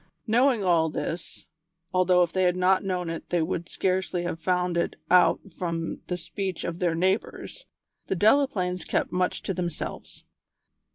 Knowing all this, although if they had not known it they would scarcely have found it out from the speech of their neighbours, the Delaplaines kept much to themselves.